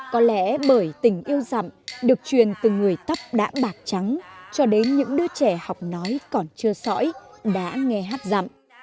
có lẽ bởi tình yêu rằm được truyền từ người tóc đã bạc trắng cho đến những đứa trẻ học nói còn chưa sỏi đã nghe hát rằm